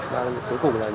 cả đội cuối cùng là gì